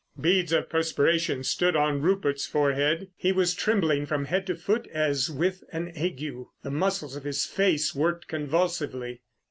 Beads of perspiration stood on Rupert's forehead. He was trembling from head to foot as if with an ague. The muscles of his face worked convulsively.